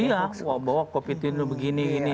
iya wabah wabah covid sembilan belas begini gini